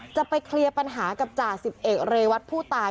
จะไปเคลียร์ปัญหากับจ่าสิบเอกเรวัตผู้ตาย